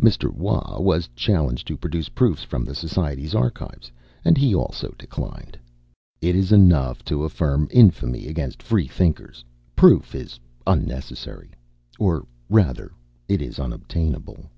Mr. Waugh was challenged to produce proofs from the Society's archives, and he also declined. It is enough to affirm infamy against Freethinkers; proof is unnecessary; or, rather, it is unobtainable.